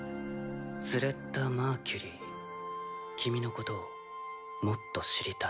スレッタ・マーキュリー君のことをもっと知りたい。